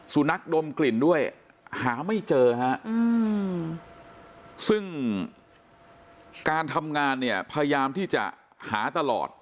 นักดมกลิ่นด้วยหาไม่เจอฮะซึ่งการทำงานเนี่ยพยายามที่จะหาตลอด